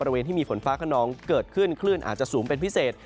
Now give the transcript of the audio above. บริเวณที่มีฝนฟ้าขนองเกิดขึ้นคลื่นอาจจะสูงเป็นพิเศษ